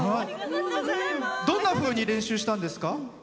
どんなふうに練習したんですか？